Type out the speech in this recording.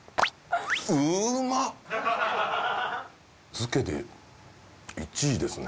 漬けで１位ですね